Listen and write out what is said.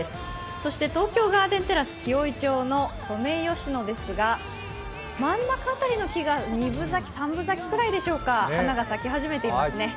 そして東京ガーデンテラス紀尾井町のソメイヨシノですが、真ん中くらいの木が二分咲き、三分咲きくらいでしょうか、花が咲き始めていますね。